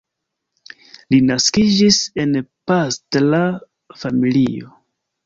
Li naskiĝis en pastra familio.